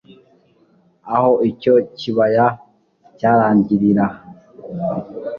aho icyo kibaya cyarangirira